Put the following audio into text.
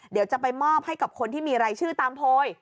เดี๋ยวจะไปมอบให้กับคนที่มีรายชื่อตามโพย